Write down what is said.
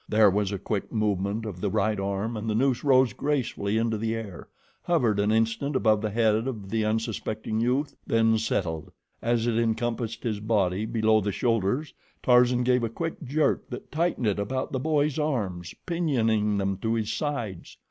There was a quick movement of the right arm and the noose rose gracefully into the air, hovered an instant above the head of the unsuspecting youth, then settled. As it encompassed his body below the shoulders, Tarzan gave a quick jerk that tightened it about the boy's arms, pinioning them to his sides.